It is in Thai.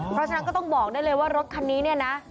เพราะฉะนั้นก็ต้องบอกได้เลยว่ารถคันนี้เนี่ยนะ